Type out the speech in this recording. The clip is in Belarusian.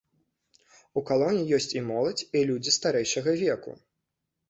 У калоне ёсць і моладзь, і людзі старэйшага веку.